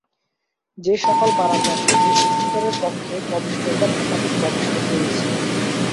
যে সকল বারান্দা থেকে অভ্যন্তরের কক্ষে প্রবেশ করবার একাধিক প্রবেশপথ রয়েছে।